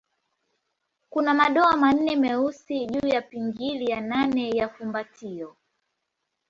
Kuna madoa manne meusi juu ya pingili ya nane ya fumbatio.